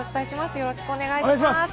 よろしくお願いします。